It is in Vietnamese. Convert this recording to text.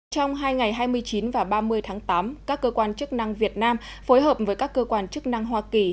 trong hai ngày hai mươi chín và ba mươi tháng tám các cơ quan chức năng việt nam phối hợp với các cơ quan chức năng hoa kỳ